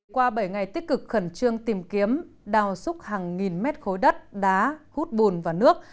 qua bảy ngày tích cực khẩn trương tìm kiếm đào xúc hàng nghìn mét khối đất đá hút bùn và nước